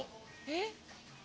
えっ？